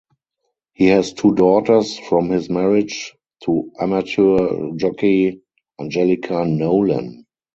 He has two daughters from his marriage to amateur jockey Angelica Nolan.